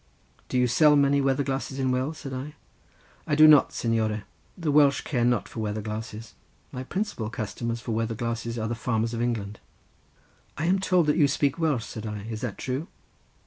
"Do you sell many weather glasses in Wales?" said I. "I do not, signore. The Welsh care not for weather glasses; my principal customers for weather glasses are the farmers of England." "I am told that you can speak Welsh," said I; "is that true?"